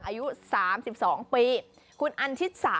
อายุ๓๒ปี